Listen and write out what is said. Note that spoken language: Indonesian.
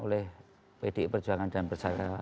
oleh pdi perjuangan dan persyaratan